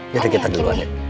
ya udah kita dulu adek